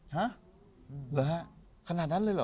ฮะเหรอฮะขนาดนั้นเลยเหรอ